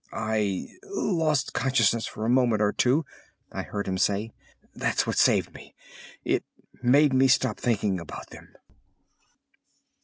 "I lost consciousness for a moment or two," I heard him say. "That's what saved me. It made me stop thinking about them."